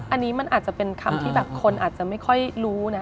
อันนี้มันอาจจะเป็นคำที่แบบคนอาจจะไม่ค่อยรู้นะ